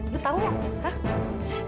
lo tau nggak hah